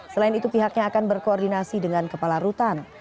selain itu pihaknya akan berkoordinasi dengan kepala rutan